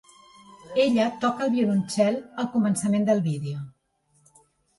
Ella toca el violoncel al començament del vídeo.